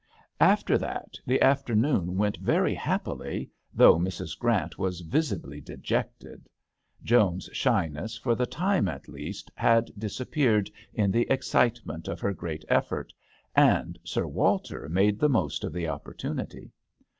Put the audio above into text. After that the afternoon went very happily, though Mrs. Grant was visibly dejected. Joan's shyness, for the time at least, had disappeared in the excite ment of her great effort, and Sir Walter made the most of the opportunity.